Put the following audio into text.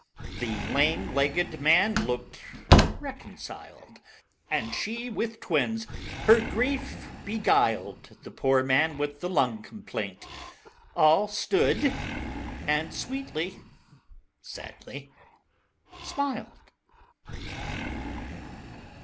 The Lame Legged Man looked reconciled, And she with Twins her grief beguiled, The poor Man with the Lung Complaint All stood, and sweetly, sadly smiled.